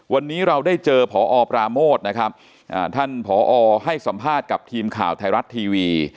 วันนี้เราได้เจอพอปราโมทนะครับท่านผอให้สัมภาษณ์กับทีมข่าวไทยรัฐทีวี